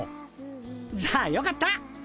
じゃあよかった！